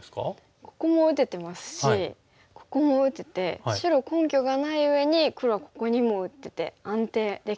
ここも打ててますしここも打てて白根拠がないうえに黒はここにも打ってて安定できてますね。